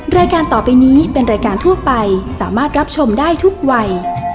รายการต่อไปนี้เป็นรายการทั่วไปสามารถรับชมได้ทุกวัย